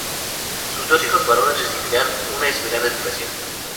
Sus dos hijos varones recibirán una esmerada educación.